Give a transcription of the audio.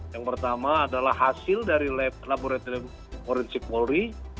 yang pertama adalah hasil dari lab laboratorium forensik polri